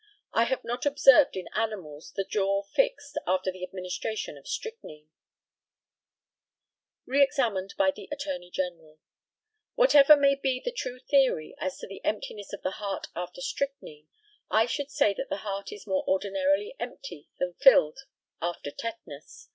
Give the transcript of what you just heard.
I have not observed in animals the jaw fixed after the administration of strychnine. Re examined by the ATTORNEY GENERAL. Whatever may be the true theory as to the emptiness of the heart after strychnine, I should say that the heart is more ordinarily empty than filled after tetanus.